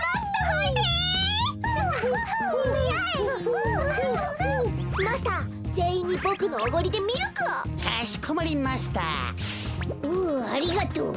ふうありがとう。